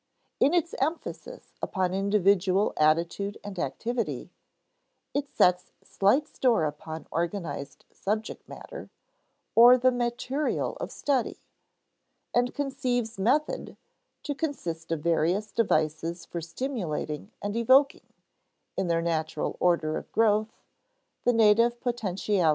In its emphasis upon individual attitude and activity, it sets slight store upon organized subject matter, or the material of study, and conceives method to consist of various devices for stimulating and evoking, in their natural order of growth, the native potentialities of individuals.